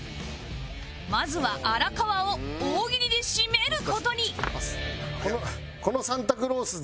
まずは荒川を大喜利でシメる事に